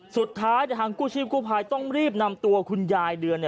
สุดท้ายทางกู้ชีพกู้ภัยต้องรีบนำตัวคุณยายเดือน